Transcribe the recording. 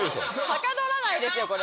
はかどらないですよ